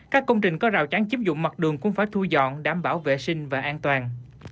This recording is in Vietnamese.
các công trình có rào chắn chiếm dụng mặt đường cũng phải thu dọn đảm bảo vệ sinh và an toàn